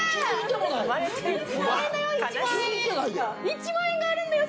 １万円があるんだよ